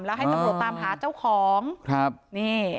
แล้วให้ตำรวจตามหาเจ้าของครับนี่